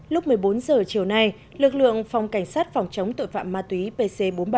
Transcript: lúc một mươi bốn h chiều nay lực lượng phòng cảnh sát phòng chống tội phạm ma túy pc bốn mươi ba